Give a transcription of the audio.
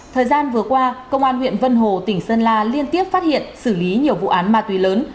thời gian vừa qua công an huyện vân hồ tỉnh sơn la liên tiếp phát hiện xử lý nhiều vụ án ma túy lớn